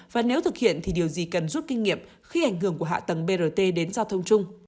và nếu thực hiện thì điều gì cần rút kinh nghiệm khi ảnh hưởng của hạ tầng brt đến giao thông chung